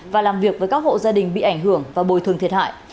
và làm việc với các hộ gia đình bị ảnh hưởng và bồi thường thiệt hại